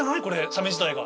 サメ自体が。